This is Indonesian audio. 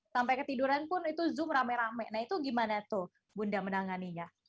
sampai ketiduran pun itu zoom rame rame nah itu gimana tuh bunda menanganinya